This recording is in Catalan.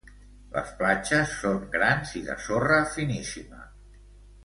Les platges són grans i de sorra finíssima.